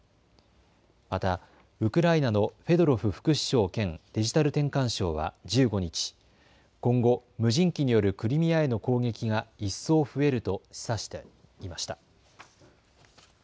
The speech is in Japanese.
またウクライナのフェドロフ副首相兼デジタル転換相は１５日、今後、無人機によるクリミアへの攻撃が一層増えると示唆していました。